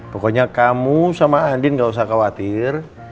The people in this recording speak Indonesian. pokoknya kamu sama andin gak usah khawatir